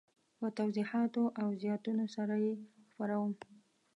په توضیحاتو او زیاتونو سره یې خپروم.